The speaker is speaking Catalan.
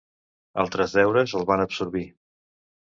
Altres deures el van absorbir.